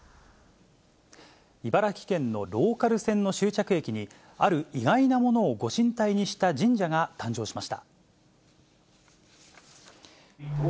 茨城県のローカル線の終着駅に、ある意外なものをご神体にした神社が誕生しました。